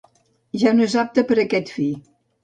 Ja no és apte per a aquest fi.